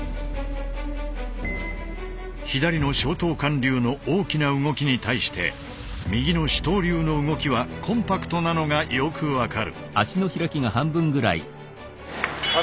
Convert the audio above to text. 左の松濤館流の大きな動きに対して右の糸東流の動きはコンパクトなのがよく分かる。